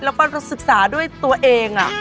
แล้วก็ศึกษาด้วยตัวเอง